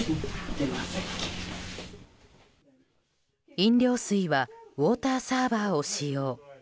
飲料水はウォーターサーバーを使用。